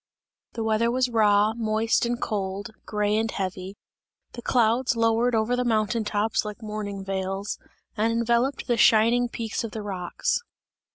The weather was raw, moist and cold, grey and heavy; the clouds lowered over the mountain tops like mourning veils, and enveloped the shining peaks of the rocks.